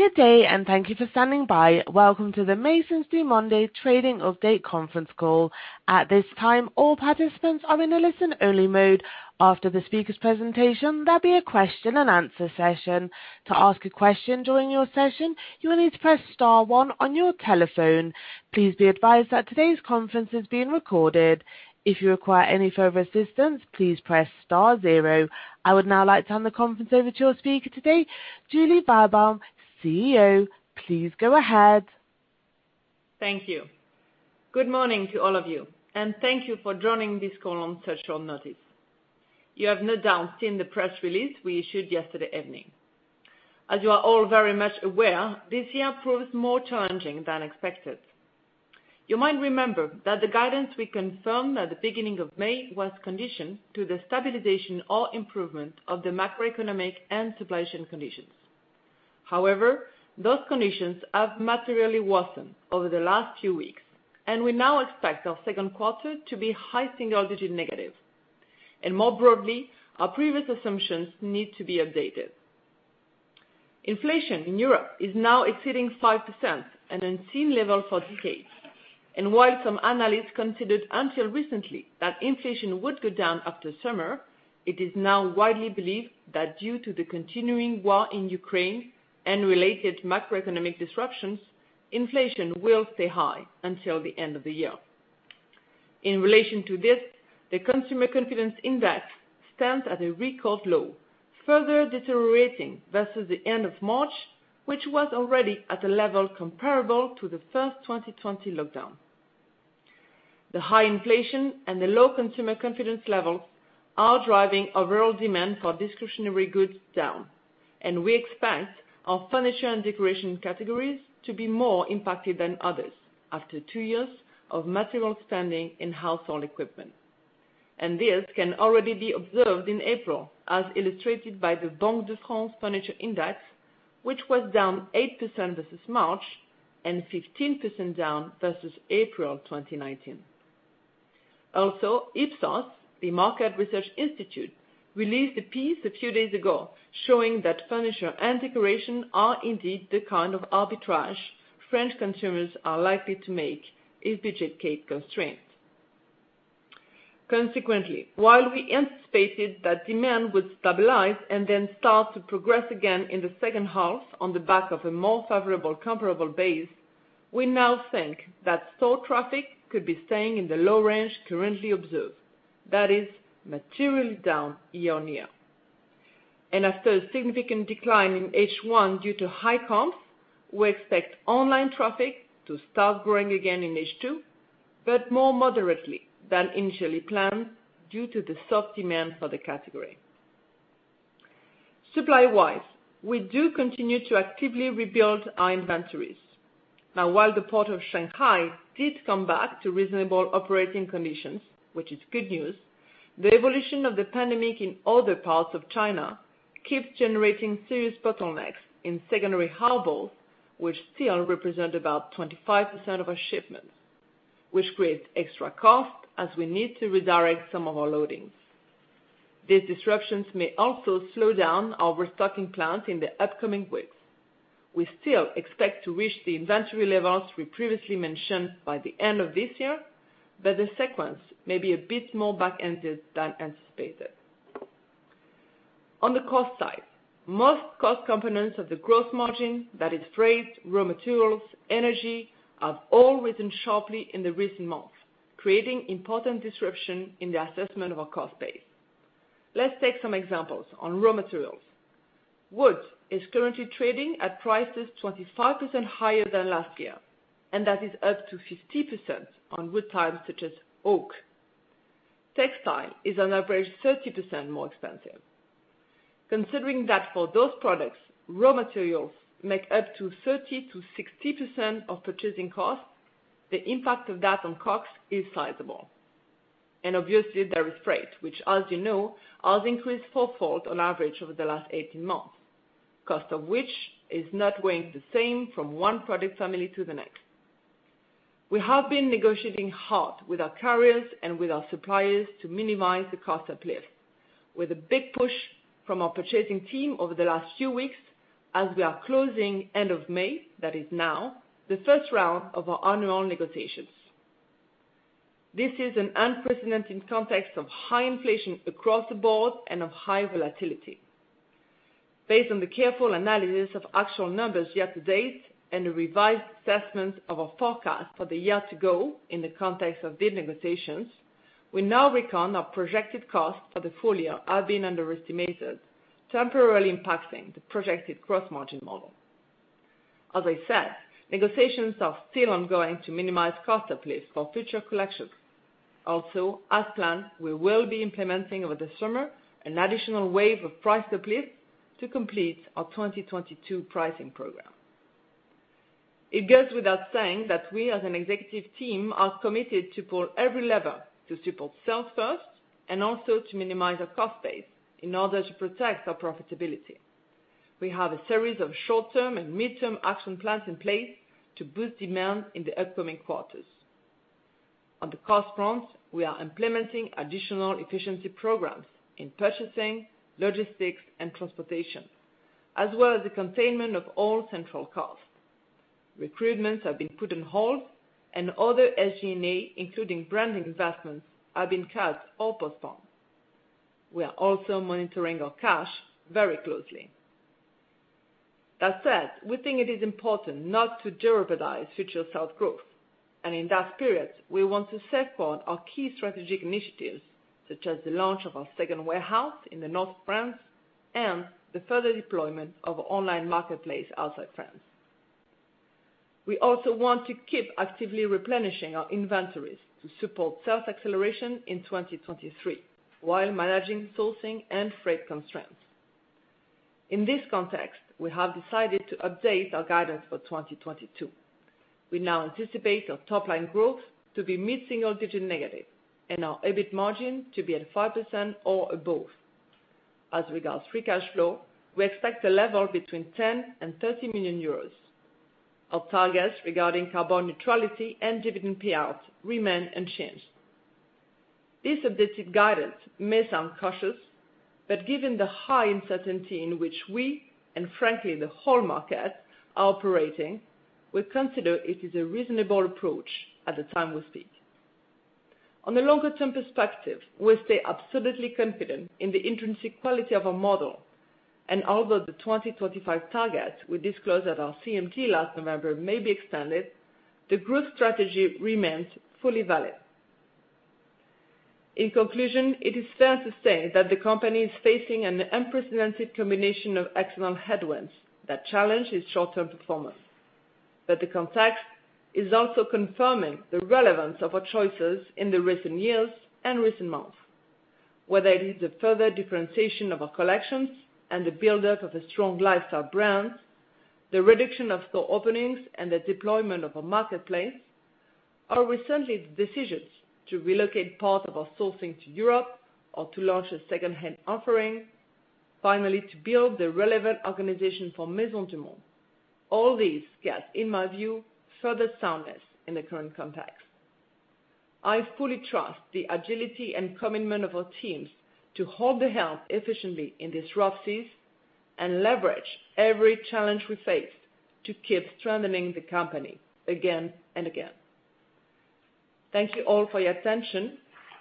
Good day and thank you for standing by. Welcome to the Maisons du Monde Trading Update Conference Call. At this time, all participants are in a listen-only mode. After the speaker's presentation, there'll be a question and answer session. To ask a question during your session, you will need to press star one on your telephone. Please be advised that today's conference is being recorded. If you require any further assistance, please press star zero. I would now like to hand the conference over to our speaker today, Julie Walbaum, CEO. Please go ahead. Thank you. Good morning to all of you, and thank you for joining this call on such short notice. You have no doubt seen the press release we issued yesterday evening. As you are all very much aware, this year proves more challenging than expected. You might remember that the guidance we confirmed at the beginning of May was conditioned to the stabilization or improvement of the macroeconomic and supply chain conditions. However, those conditions have materially worsened over the last few weeks, and we now expect our second quarter to be high single digit negative. More broadly, our previous assumptions need to be updated. Inflation in Europe is now exceeding 5%, an unseen level for decades. While some analysts considered until recently that inflation would go down after summer, it is now widely believed that due to the continuing war in Ukraine and related macroeconomic disruptions, inflation will stay high until the end of the year. In relation to this, the consumer confidence index stands at a record low, further deteriorating versus the end of March, which was already at a level comparable to the first 2020 lockdown. The high inflation and the low consumer confidence level are driving overall demand for discretionary goods down, and we expect our furniture and decoration categories to be more impacted than others after two years of material spending in household equipment. This can already be observed in April as illustrated by the Banque de France furniture index, which was down 8% versus March and 15% down versus April 2019. Also, Ipsos, the market research institute, released a piece a few days ago showing that furniture and decoration are indeed the kind of arbitrage French consumers are likely to make if budget constraint. Consequently, while we anticipated that demand would stabilize and then start to progress again in the second half on the back of a more favorable comparable base, we now think that store traffic could be staying in the low range currently observed. That is materially down year-over-year. After a significant decline in H1 due to high comps, we expect online traffic to start growing again in H2, but more moderately than initially planned due to the soft demand for the category. Supply-wise, we do continue to actively rebuild our inventories. While the Port of Shanghai did come back to reasonable operating conditions, which is good news, the evolution of the pandemic in other parts of China keeps generating serious bottlenecks in secondary harbors, which still represent about 25% of our shipments, which creates extra cost as we need to redirect some of our loadings. These disruptions may also slow down our restocking plans in the upcoming weeks. We still expect to reach the inventory levels we previously mentioned by the end of this year, but the sequence may be a bit more back-ended than anticipated. On the cost side, most cost components of the gross margin, that is freight, raw materials, energy, have all risen sharply in the recent months, creating important disruption in the assessment of our cost base. Let's take some examples on raw materials. Wood is currently trading at prices 25% higher than last year, and that is up to 50% on wood types such as oak. Textile is on average 30% more expensive. Considering that for those products, raw materials make up to 30%-60% of purchasing costs, the impact of that on COGS is sizable. Obviously there is freight, which as you know, has increased four-fold on average over the last 18 months, cost of which is not weighing the same from one product family to the next. We have been negotiating hard with our carriers and with our suppliers to minimize the cost uplift, with a big push from our purchasing team over the last few weeks as we are closing end of May, that is now, the first round of our annual negotiations. This is an unprecedented context of high inflation across the board and of high volatility. Based on the careful analysis of actual numbers year to date and a revised assessment of our forecast for the year to go in the context of these negotiations, we now reckon our projected costs for the full year have been underestimated, temporarily impacting the projected gross margin model. As I said, negotiations are still ongoing to minimize cost uplift for future collections. Also, as planned, we will be implementing over the summer an additional wave of price uplift to complete our 2022 pricing program. It goes without saying that we as an executive team are committed to pull every lever to support sales first and also to minimize our cost base in order to protect our profitability. We have a series of short-term and mid-term action plans in place to boost demand in the upcoming quarters. On the cost front, we are implementing additional efficiency programs in purchasing, logistics, and transportation, as well as the containment of all central costs. Recruitments have been put on hold and other SG&A, including branding investments, have been cut or postponed. We are also monitoring our cash very closely. That said, we think it is important not to jeopardize future sales growth. In that period, we want to set forward our key strategic initiatives, such as the launch of our second warehouse in the north of France and the further deployment of online marketplace outside France. We also want to keep actively replenishing our inventories to support sales acceleration in 2023 while managing sourcing and freight constraints. In this context, we have decided to update our guidance for 2022. We now anticipate our top line growth to be mid-single digit negative and our EBIT margin to be at 5% or above. As regards free cash flow, we expect a level between 10 million and 30 million euros. Our targets regarding carbon neutrality and dividend payouts remain unchanged. This updated guidance may sound cautious, but given the high uncertainty in which we, and frankly the whole market, are operating, we consider it is a reasonable approach at the time we speak. On the longer term perspective, we stay absolutely confident in the intrinsic quality of our model. Although the 2025 target we disclosed at our CMD last November may be extended, the growth strategy remains fully valid. In conclusion, it is fair to say that the company is facing an unprecedented combination of external headwinds that challenge its short-term performance. The context is also confirming the relevance of our choices in the recent years and recent months, whether it is the further differentiation of our collections and the buildup of a strong lifestyle brand, the reduction of store openings and the deployment of a marketplace, or recently the decisions to relocate part of our sourcing to Europe or to launch a second-hand offering, finally, to build the relevant organization for Maisons du Monde. All these get, in my view, further soundness in the current context. I fully trust the agility and commitment of our teams to hold the helm efficiently in these rough seas and leverage every challenge we face to keep strengthening the company again and again. Thank you all for your attention,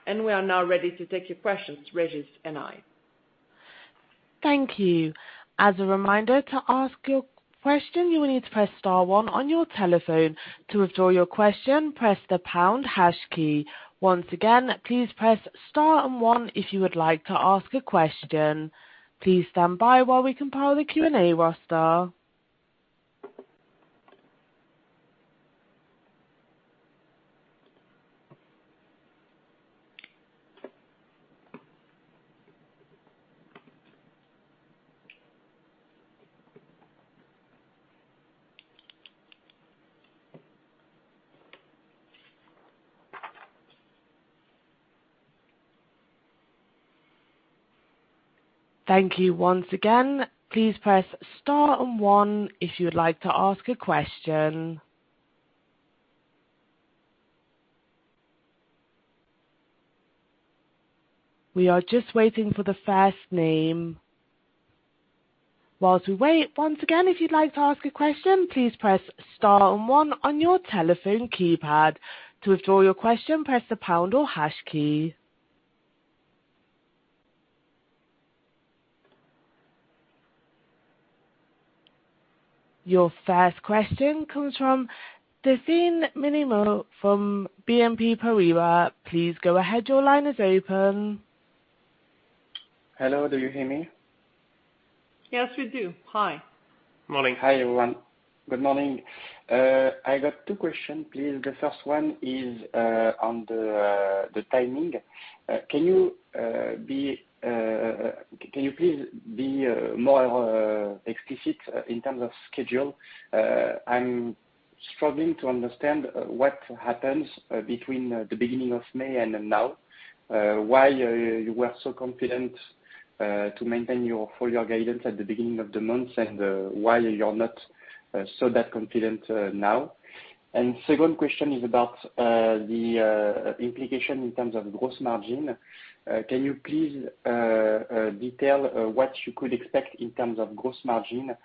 and we are now ready to take your questions, Regis and I. Thank you. As a reminder, to ask your question, you will need to press star one on your telephone. To withdraw your question, press the pound hash key. Once again, please press star and one if you would like to ask a question. Please stand by while we compile the Q&A roster. Thank you once again. Please press star and one if you would like to ask a question. We are just waiting for the first name. While we wait, once again, if you'd like to ask a question, please press star and one on your telephone keypad. To withdraw your question, press the pound or hash key. Your first question comes from Destin Minimo from BNP Paribas. Please go ahead. Your line is open. Hello, do you hear me? Yes, we do. Hi. Morning. Hi, everyone. Good morning. I got two question, please. The first one is on the timing. Can you please be more explicit in terms of schedule? I'm struggling to understand what happens between the beginning of May and now, why you were so confident to maintain your full year guidance at the beginning of the month, and why you're not so confident now. Second question is about the implication in terms of gross margin. Can you please detail what you could expect in terms of gross margin?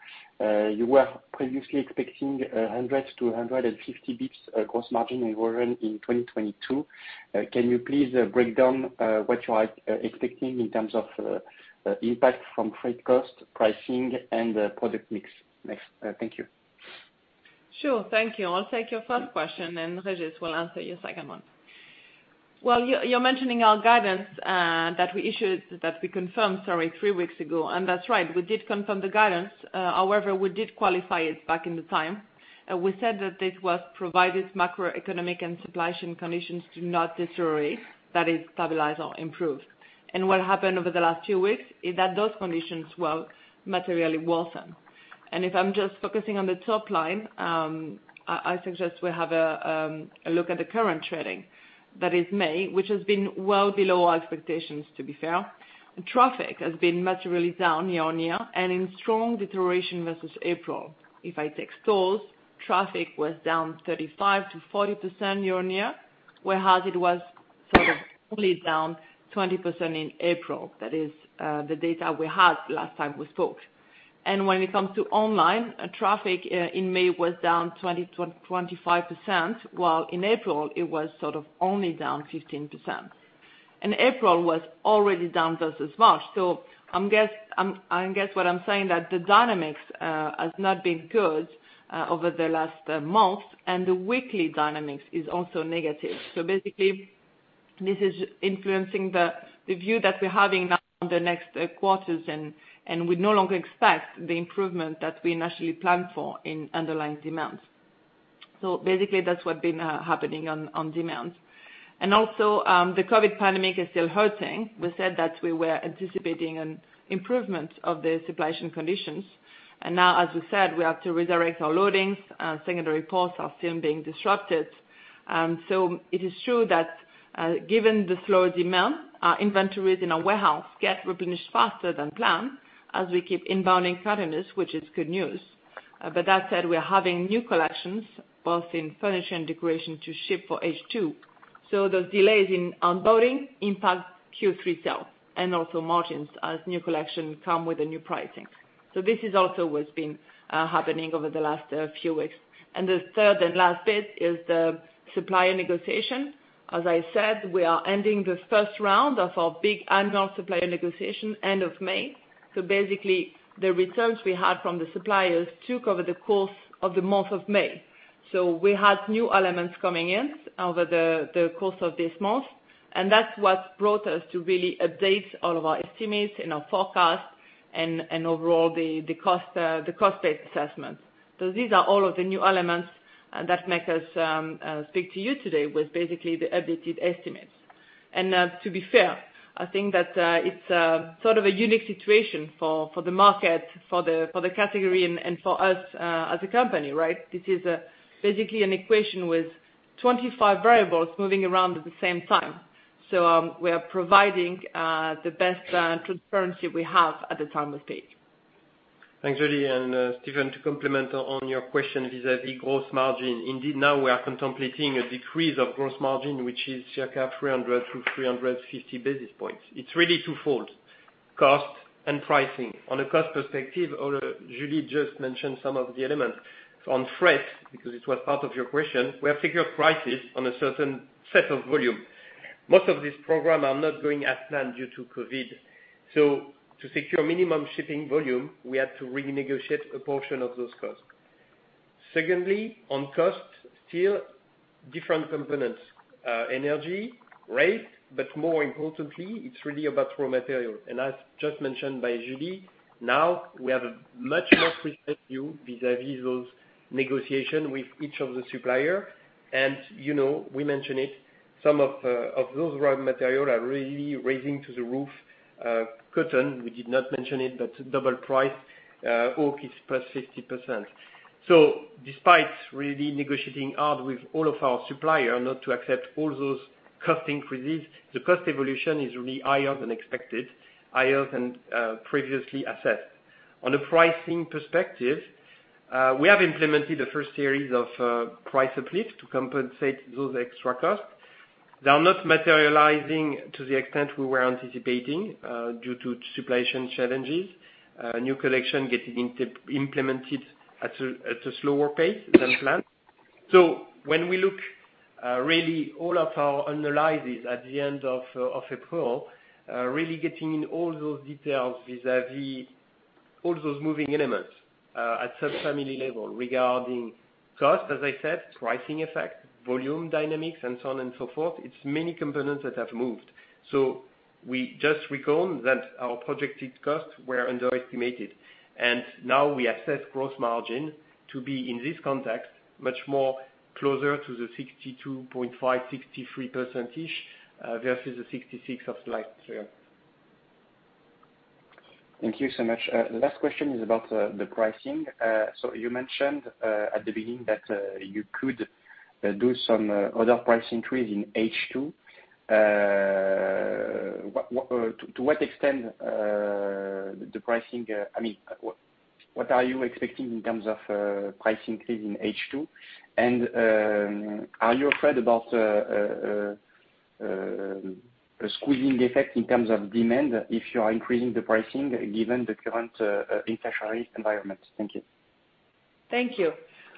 You were previously expecting 100-150 BPS gross margin improvement in 2022. Can you please break down what you are expecting in terms of impact from freight cost, pricing and product mix? Next. Thank you. Sure. Thank you. I'll take your first question, then Regis will answer your second one. Well, you're mentioning our guidance that we confirmed, sorry, three weeks ago. That's right, we did confirm the guidance. However, we did qualify it back then. We said that this was provided that macroeconomic and supply chain conditions do not deteriorate, that is stabilize or improve. What happened over the last few weeks is that those conditions, well, materially worsened. If I'm just focusing on the top line, I suggest we have a look at the current trading. That is May, which has been well below our expectations, to be fair. Traffic has been materially down year-on-year and in strong deterioration versus April. If I take stores, traffic was down 35%-40% year-on-year, whereas it was only down 20% in April. That is, the data we had last time we spoke. When it comes to online traffic, in May was down 20%-25%, while in April it was sort of only down 15%. In April was already down versus March. I guess what I'm saying is that the dynamics has not been good over the last month, and the weekly dynamics is also negative. Basically this is influencing the view that we're having now on the next quarters and we no longer expect the improvement that we initially planned for in underlying demands. Basically that's what's been happening on demands. Also, the COVID pandemic is still hurting. We said that we were anticipating an improvement of the supply chain conditions, and now as we said, we have to resurrect our loadings. Secondary ports are still being disrupted. It is true that, given the slower demand, our inventories in our warehouse get replenished faster than planned as we keep inbounding containers, which is good news. That said, we are having new collections both in furniture and decoration to ship for H2. Those delays in onboarding impact Q3 sales and also margins as new collection come with a new pricing. This is also what's been happening over the last few weeks. The third and last bit is the supplier negotiation. As I said, we are ending the first round of our big annual supplier negotiation end of May. Basically the results we had from the suppliers took over the course of the month of May. We had new elements coming in over the course of this month, and that's what brought us to really update all of our estimates and our forecast and overall the cost-based assessments. These are all of the new elements that make us speak to you today with basically the updated estimates. To be fair, I think that it's sort of a unique situation for the market, for the category and for us as a company, right? This is basically an equation with 25 variables moving around at the same time. We are providing the best transparency we have at the time of date. Thanks, Julie. Stephen, to comment on your question vis-à-vis gross margin, indeed now we are contemplating a decrease of gross margin, which is circa 300-350 basis points. It's really twofold, cost and pricing. From a cost perspective, although Julie just mentioned some of the elements, on freight, because it was part of your question, we have secured prices on a certain set of volume. Most of this program are not going as planned due to COVID, so to secure minimum shipping volume, we had to renegotiate a portion of those costs. Secondly, on cost, still different components, energy, rate, but more importantly, it's really about raw material. As just mentioned by Julie, now we have a much more precise view vis-à-vis those negotiation with each of the supplier. You know, we mention it, some of those raw materials are really rising through the roof. Cotton, we did not mention it, but double price, oak is +50%. Despite really negotiating hard with all of our suppliers not to accept all those cost increases, the cost evolution is really higher than expected, higher than previously assessed. On a pricing perspective, we have implemented the first series of price uplift to compensate those extra costs. They are not materializing to the extent we were anticipating due to supply chain challenges. New collection getting implemented at a slower pace than planned. When we look really all of our analyses at the end of April, really getting in all those details vis-à-vis all those moving elements at subfamily level regarding cost, as I said, pricing effect, volume dynamics and so on and so forth, it's many components that have moved. We just reckon that our projected costs were underestimated, and now we assess gross margin to be, in this context, much more closer to the 62.5%, 63%-ish versus the 66% of last year. Thank you so much. The last question is about the pricing. You mentioned at the beginning that you could do some other price increase in H2. To what extent the pricing. I mean, what are you expecting in terms of price increase in H2? Are you afraid about a squeezing effect in terms of demand if you are increasing the pricing given the current inflationary environment? Thank you. Thank you.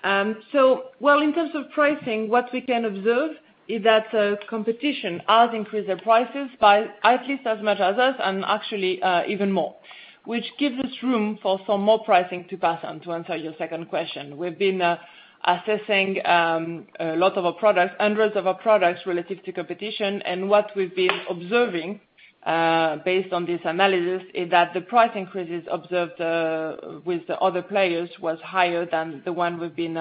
Well, in terms of pricing, what we can observe is that competition has increased their prices by at least as much as us and actually even more, which gives us room for some more pricing to pass on, to answer your second question. We've been assessing a lot of our products, hundreds of our products relative to competition. What we've been observing, based on this analysis, is that the price increases observed with the other players was higher than the one we've been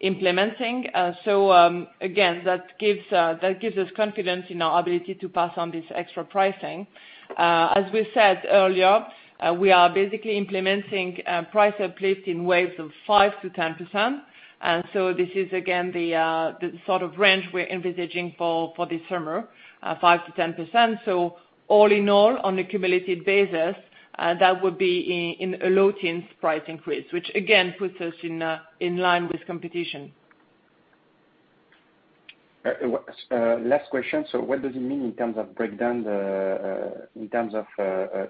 implementing. Again, that gives us confidence in our ability to pass on this extra pricing. As we said earlier, we are basically implementing price uplift in waves of 5%-10%. This is again the sort of range we're envisaging for this summer, 5%-10%. All in all, on a cumulative basis, that would be in a low-teens% price increase, which again puts us in line with competition. Last question. What does it mean in terms of breakdown in terms of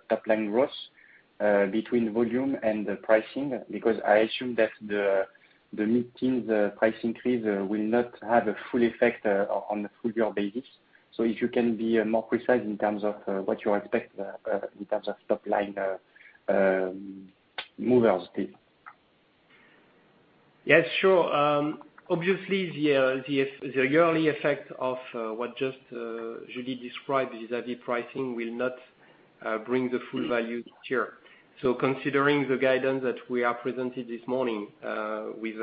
top line growth between volume and the pricing? Because I assume that the mid-tier price increase will not have a full effect on the full year basis. If you can be more precise in terms of what you expect in terms of top line movers please. Yes, sure. Obviously the yearly effect of what just Julie described is that the pricing will not bring the full value this year. Considering the guidance that we have presented this morning with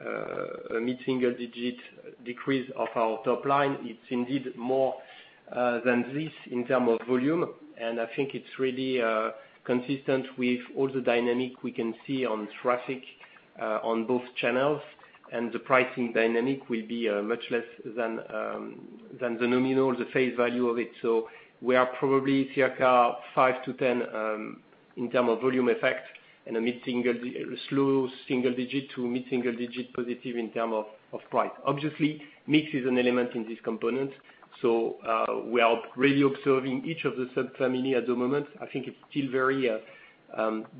a mid-single-digit decrease of our top line, it's indeed more than this in terms of volume. I think it's really consistent with all the dynamics we can see on traffic on both channels. The pricing dynamics will be much less than the nominal, the face value of it. We are probably circa five to 10 in terms of volume effect and a low-single-digit to mid-single-digit positive in terms of price. Obviously, mix is an element in this component. We are really observing each of the subfamilies at the moment. I think it's still very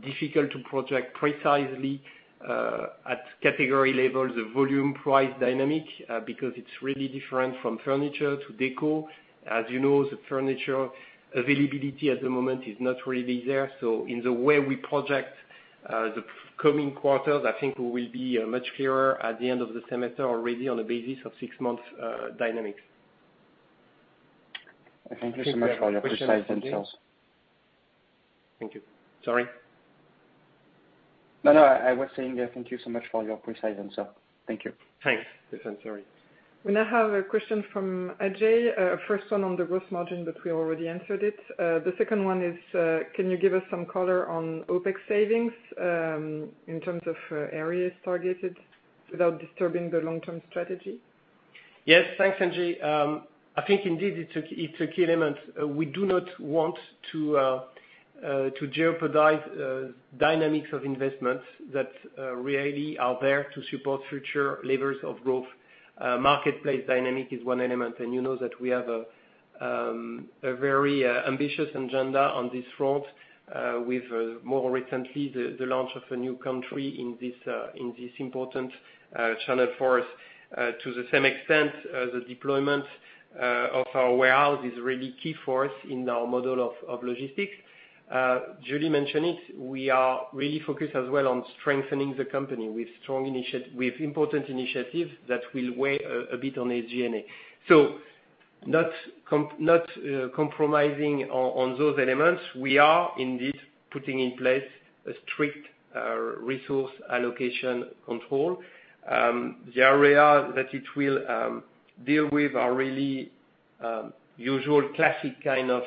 difficult to project precisely at category level the volume price dynamic, because it's really different from furniture to deco. As you know, the furniture availability at the moment is not really there. In the way we project the coming quarters, I think we will be much clearer at the end of the semester already on a basis of six months dynamics. Thank you so much for your precise answers. Thank you. Sorry. No, no. I was saying thank you so much for your precise answer. Thank you. Thanks. Yes, I'm sorry. We now have a question from AJ. First one on the growth margin, but we already answered it. The second one is, can you give us some color on OpEx savings in terms of areas targeted without disturbing the long-term strategy? Yes. Thanks, Angie. I think indeed it's a key element. We do not want to jeopardize dynamics of investments that really are there to support future levers of growth. Marketplace dynamic is one element, and you know that we have a very ambitious agenda on this front, with more recently the launch of a new country in this important channel for us. To the same extent, the deployment of our warehouse is really key for us in our model of logistics. Julie mentioned it, we are really focused as well on strengthening the company with important initiatives that will weigh a bit on SG&A. Not compromising on those elements, we are indeed putting in place a strict resource allocation control. The area that it will deal with are really usual classic kind of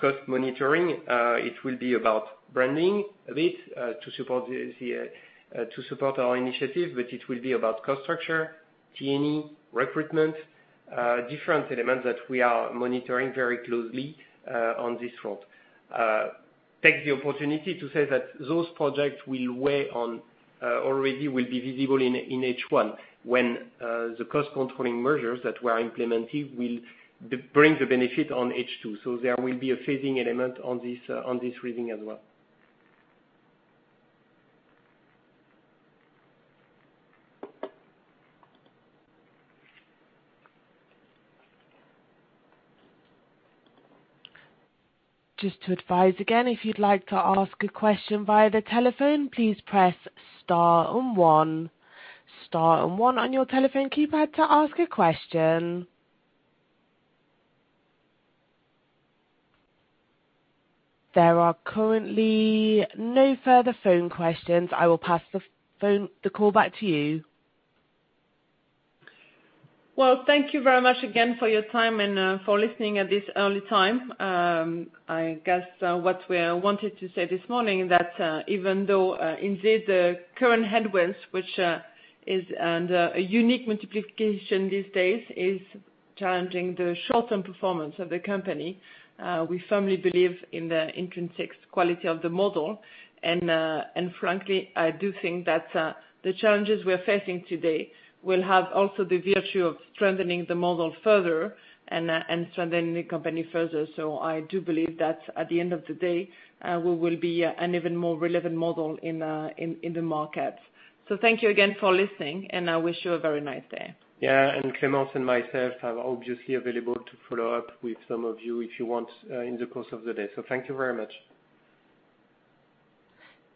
cost monitoring. It will be about branding a bit to support our initiative, but it will be about cost structure, T&E, recruitment, different elements that we are monitoring very closely on this front. Take the opportunity to say that those projects will weigh on already will be visible in H1 when the cost controlling measures that we are implementing will bring the benefit on H2. There will be a phasing element on this reading as well. Just to advise again, if you'd like to ask a question via the telephone, please press star and one. Star and one on your telephone keypad to ask a question. There are currently no further phone questions. I will pass the call back to you. Well, thank you very much again for your time and for listening at this early time. I guess what we wanted to say this morning that even though indeed the current headwinds, which is under a unique multiplication these days, is challenging the short-term performance of the company. We firmly believe in the intrinsic quality of the model. Frankly, I do think that the challenges we're facing today will have also the virtue of strengthening the model further and strengthening the company further. I do believe that at the end of the day we will be an even more relevant model in the market. Thank you again for listening, and I wish you a very nice day. Yeah. Clemence and myself are obviously available to follow up with some of you if you want, in the course of the day. Thank you very much.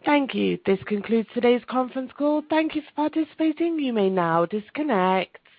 Thank you. This concludes today's conference call. Thank you for participating. You may now disconnect.